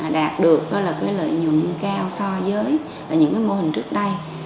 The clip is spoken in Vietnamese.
đạt được lợi nhuận cao so với những mô hình trước đây